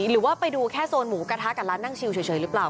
หรือว่าไปดูแค่โซนหมูกระทะกับร้านนั่งชิวเฉยหรือเปล่า